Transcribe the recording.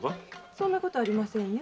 そんな事ありませんよ